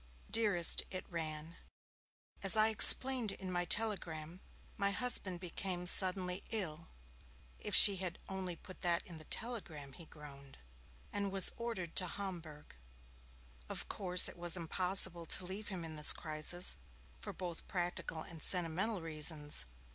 'Dearest,' it ran, 'as I explained in my telegram, my husband became suddenly ill' ('if she had only put that in the telegram,' he groaned) 'and was ordered to Homburg. Of course it was impossible to leave him in this crisis, both for practical and sentimental reasons.